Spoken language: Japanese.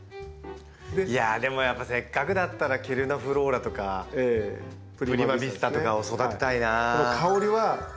いやでもやっぱせっかくだったらケルナーフローラとかプリマヴィスタとかを育てたいなあ。